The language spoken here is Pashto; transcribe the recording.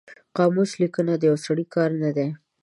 قاموس لیکنه د یو سړي کار نه دی